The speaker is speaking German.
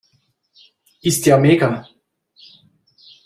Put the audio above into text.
Ist ja mega!